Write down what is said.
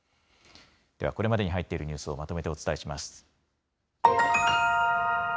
ではこれまでに入っているニュースをまとめてお伝えします。